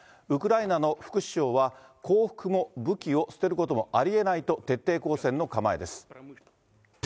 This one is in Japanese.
ウクライナの副首相は、降伏も武器を捨てることもありえないと、徹底抗戦の構えです。